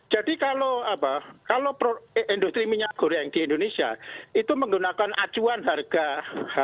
jadi kalau industri minyak goreng di indonesia itu menggunakan acuan harga cpo dunia